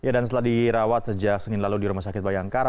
dan setelah dirawat sejak senin lalu di rumah sakit bayangkara